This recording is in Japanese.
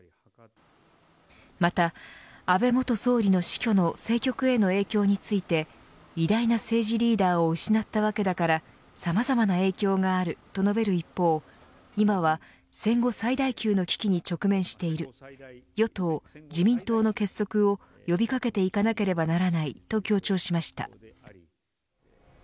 また、安倍元総理の死去の政局への影響について偉大な政治リーダーを失ったわけだからさまざまな影響があると述べる一方今は戦後最大級の危機に直面している与党、自民党の結束を呼び掛けていかなければならないと強調しました。